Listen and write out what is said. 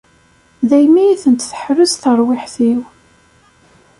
Daymi i ten-tḥerrez terwiḥt-iw.